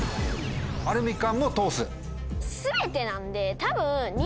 「アルミ缶」も通す。